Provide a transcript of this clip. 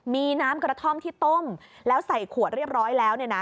มีน้ำกระท่อมที่ต้มแล้วใส่ขวดเรียบร้อยแล้วเนี่ยนะ